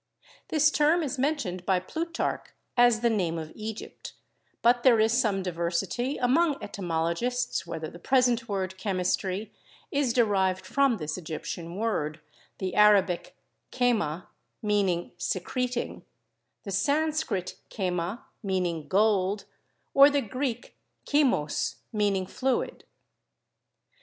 This term is mentioned by Plutarch as the name of Egypt, but there is some diversity among etymologists whether the present word 'chemistry' is derived from this Egyptian word; the Arabic 'kerna/ meaning secreting; the Sanskrit 'kerna,' meaning gold; or the Greek 'chymos,' meaning fluid.